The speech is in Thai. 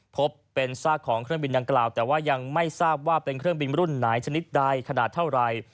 พบเป็นซากของเครื่องบินดังกล่าวแต่ว่ายังไม่ทราบว่าเป็นเครื่องบินรุ่นไหนชนิดใดขนาดเท่าไร